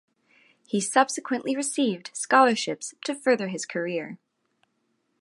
He subsequently received scholarships to further his career.